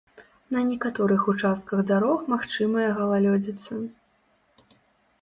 На некаторых участках дарог магчымая галалёдзіца.